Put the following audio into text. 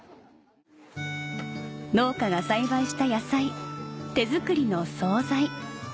農家が栽培した野菜手作りの総菜